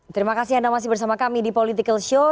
terima kasih anda masih bersama kami di political show